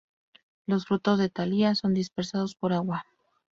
Los frutos de "Thalia" son dispersados por agua.